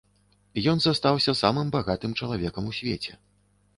Ён застаўся самым багатым чалавекам у свеце.